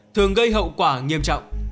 thường gây hậu quả nghiêm trọng